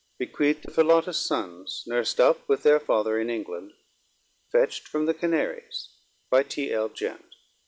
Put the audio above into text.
Bequeathed to Philautus sonnes noursed vp with their father in England. Fetcht from the Canaries. _By T.L. Gent.